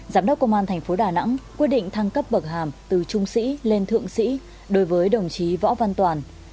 giám đốc công an thành phố đà nẵng quyết định thăng cấp bậc hàm từ trung sĩ lên thượng sĩ đối với đồng chí võ văn toàn